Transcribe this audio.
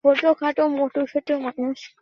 প্রত্যেকটি ভিন্ন ভিন্ন উদ্দেশ্যে।